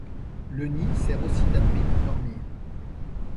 Le nid sert aussi d’abri pour dormir.